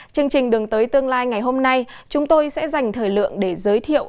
chương trình đường tới tương lai ngày hôm nay chúng tôi sẽ dành thời lượng để giới thiệu